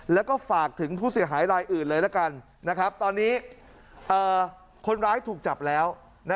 แล้วก็ฝากถึงผู้เสียหายลายอื่นเลยละกันตอนนี้คนร้ายถูกจับแล้ว